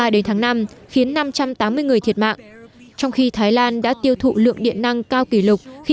đến tháng năm khiến năm trăm tám mươi người thiệt mạng trong khi thái lan đã tiêu thụ lượng điện năng cao kỷ lục khi